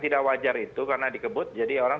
tidak wajar itu karena dikebut jadi orang